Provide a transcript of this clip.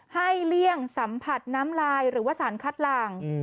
เลี่ยงสัมผัสน้ำลายหรือว่าสารคัดหลัง